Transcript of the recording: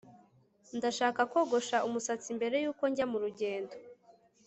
ndashaka kogosha umusatsi mbere yuko njya murugendo